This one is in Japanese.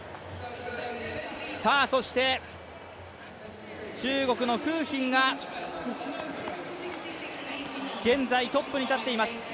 そして中国の馮彬が現在トップに立っています。